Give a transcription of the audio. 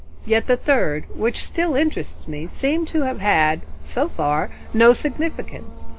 Yet the third, which still interests me, seems to have had, so far, no significance.